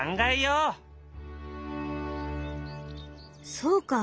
そうか。